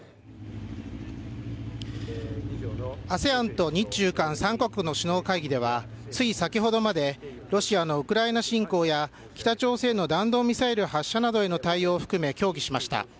ＡＳＥＡＮと日中韓３カ国の首脳会議ではつい先ほどまでロシアのウクライナ侵攻や北朝鮮の弾道ミサイル発射などへの対応を含め協議しました。